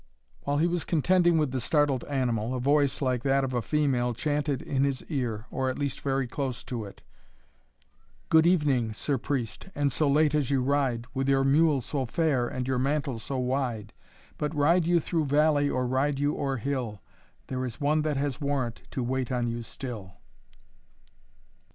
While he was contending with the startled animal, a voice, like that of a female, chanted in his ear, or at least very close to it, "Good evening . Sir Priest, and so late as you ride, With your mule so fair, and your mantle so wide; But ride you through valley, or ride you o'er hill. There is one that has warrant to wait on you still.